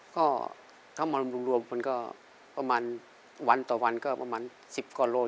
เขายำรวมมันก็ประมาณวันต่อวันก็ประมาณ๑๐ก็๑๐กลัวโล